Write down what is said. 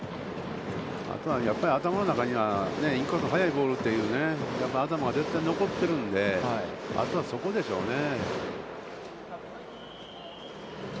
やっぱり頭の中にはインコース、速いボールという、頭がやっぱり頭が絶対に残ってるので、あとはそこでしょうね。